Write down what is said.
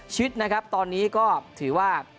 ชีวิตนะครับตอนนี้ก็ถือว่า